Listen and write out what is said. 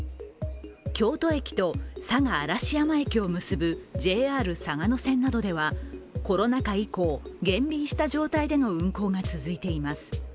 京都駅と嵯峨嵐山駅を結ぶＪＲ嵯峨野線などではコロナ禍以降、減便した状態での運行が続いています。